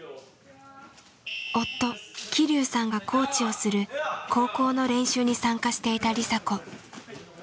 夫希龍さんがコーチをする高校の練習に参加していた梨紗子。